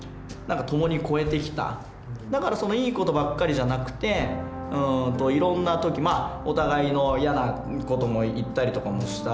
だからいいことばっかりじゃなくていろんな時お互いの嫌なことも言ったりとかもしたこともあったし。